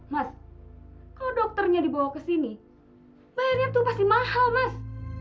mas kok dokternya dibawa ke sini bayarnya tuh pasti mahal mas